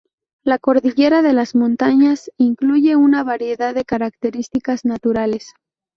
La cordillera de las montañas incluye una variedad de características naturales.